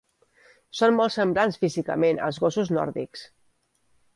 Són molt semblants físicament als gossos nòrdics.